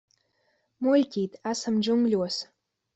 Muļķīt, esam džungļos.